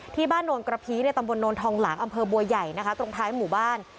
โนนกระพีในตำบลโนนทองหลางอำเภอบัวใหญ่นะคะตรงท้ายหมู่บ้าน